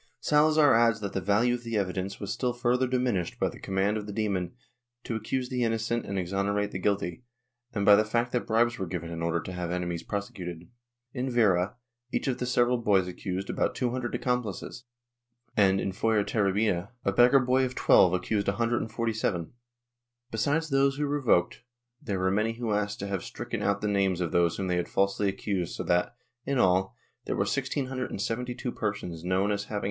Salazar adds that the value of the evidence was still further diminished by the command of the demon to accuse the mnocent and exonerate the guilty, and by the fact that bribes were given in order to have enemies prosecuted. In Vera, each of several boys accused about two hundred accomplices and, in Fuenterrabia a beggar boy of 12 accused a hundred and forty seven. Besides those who revoked there were many who asked to have stricken out the names of those whom they had falsely accused so that, in all, there were sixteen hundred and seventy two persons known as having.